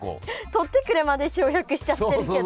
「取ってくれ」まで省略しちゃってるけど。